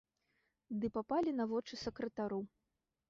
Ды папалі на вочы сакратару.